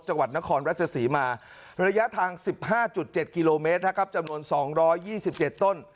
จังหวัดนครราชศรีมาระยะทาง๑๕๗กิโลเมตรนะครับจำนวน๒๒๗ต้น